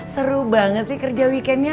seru banget sih kerja weekendnya